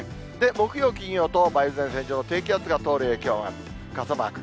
木曜、金曜と、梅雨前線上の低気圧が通る影響、傘マーク。